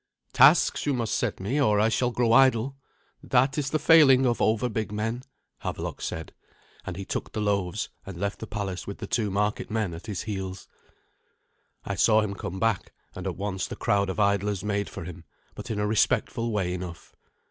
"Tasks you must set me, or I shall grow idle. That is the failing of over big men," Havelok said; and he took the loaves and left the palace with the two market men at his heels. I saw him come back, and at once the crowd of idlers made for him, but in a respectful way enough.